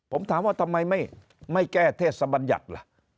ผมถามว่าทำไมไม่แก้เทศบัญญัติล่ะ